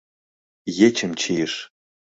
Ечым чийыш.